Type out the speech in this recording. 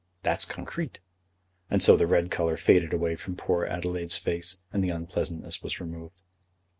That's concrete." And so the red colour faded away from poor Adelaide's face, and the unpleasantness was removed.